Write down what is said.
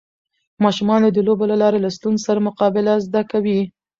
ماشومان د لوبو له لارې له ستونزو سره مقابله زده کوي.